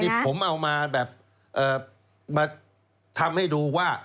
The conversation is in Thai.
นี่ผมเอามาแบบมาทำให้ดูว่า